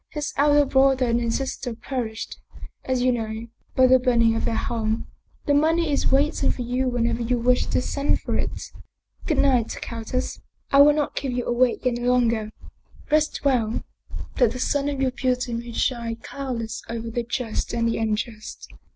His elder brother and his sister perished, as you know, by the burning of their home. The money is wait ing for you whenever you wish to send for it. Good night, countess. I will not keep you awake any longer. Rest well, that the sun of your beauty may shine cloudless over the just and the unjust.